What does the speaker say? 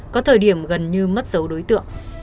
có thời điểm gần như mất dấu đối tượng